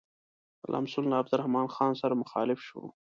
لمسون له عبدالرحمن خان سره مخالف شو.